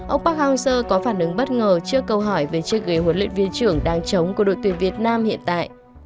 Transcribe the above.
ông park hang seo có phản ứng bất ngờ trước câu hỏi về chiếc ghế huấn luyện viên trưởng đang chống của đội tuyển việt nam hiện tại